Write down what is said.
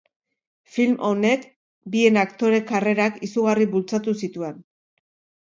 Film honek, bien aktore karrerak izugarri bultzatu zituen.